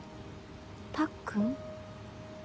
たっくん？